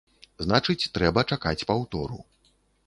Значыць, трэба чакаць паўтору.